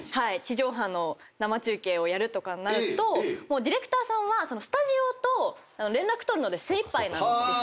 やるとかになるとディレクターさんはスタジオと連絡取るので精いっぱいなんですよ。